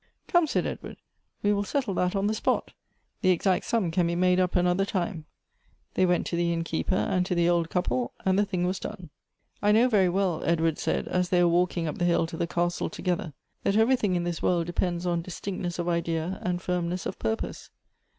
" Come," said Edward, " we will settle that on the spot. The ex.act sum can be made up another time." They went to the innkeeper, and to the old couple, and the thing was done. "I know very well," Edward said, as they were walk 3* 58 Goethe's ing up the hill to the castle together, " that everything in this world depends on distinctness of idea and firmness of purpose.